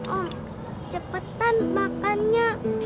oh cepetan makannya